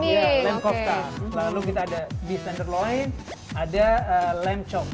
iya lem kofta lalu kita ada beef tenderloin ada lamb chop